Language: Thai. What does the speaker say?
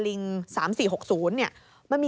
คุณพุทธครับ